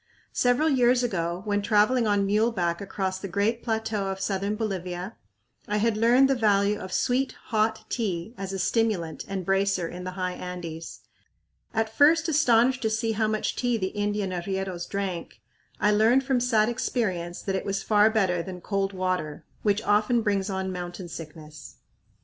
Several years ago, when traveling on muleback across the great plateau of southern Bolivia, I had learned the value of sweet, hot tea as a stimulant and bracer in the high Andes. At first astonished to see how much tea the Indian arrieros drank, I learned from sad experience that it was far better than cold water, which often brings on mountain sickness.